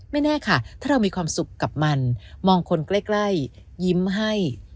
แน่ค่ะถ้าเรามีความสุขกับมันมองคนใกล้ยิ้มให้